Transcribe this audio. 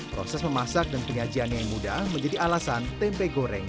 proses memasak dan penyajiannya yang mudah menjadi alasan tempe goreng